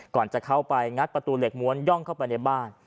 ก่อนจะเข้าไปงัดประตูเหล็กม้วนย่องเข้าไปในบ้าน